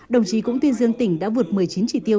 đồng chí cũng tuyên dương tỉnh đã vượt một mươi chín chỉ tiêu